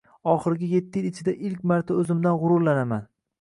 Oxirgi etti yil ichida ilk marta o`zimdan g`urulanaman